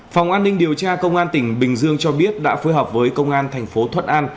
phòng an ninh điều tra công an tỉnh bình dương cho biết đã phối hợp với công an thành phố thuận an